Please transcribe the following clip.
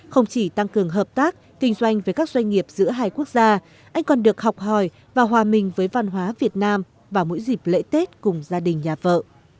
không chỉ tăng cường hợp tác kinh doanh với các doanh nghiệp giữa hai quốc gia anh còn được học hỏi và hòa mình với văn hóa việt nam vào mỗi dịp lễ tết cùng gia đình nhà vợ